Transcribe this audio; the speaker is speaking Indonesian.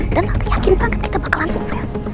dan tante yakin banget kita bakalan sukses